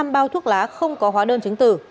bốn trăm linh bao thuốc lá không có hóa đơn chứng từ